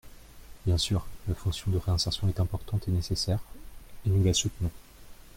Bien sûr, la fonction de réinsertion est importante et nécessaire, et nous la soutenons.